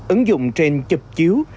ứng dụng trên chụp chiếu